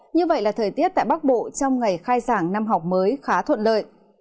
như vậy là thời tiết tại bắc bộ trong ngày khai giảng năm học mới khá thuận lợi